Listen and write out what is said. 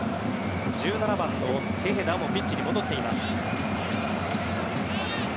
１７番のテヘダもピッチに戻っています。